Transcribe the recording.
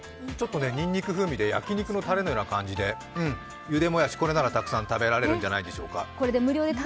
ちょっとにんにく風味で、焼き肉のたれのような感じで、ゆでもやし、これならたくさん食べられるんじゃないでしょうか。